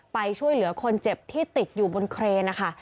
ไปช่วยเหลือคนเจ็บที่ติดอยู่บนเครนนะคะ